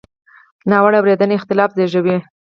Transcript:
ناوړه اورېدنه اختلاف زېږوي.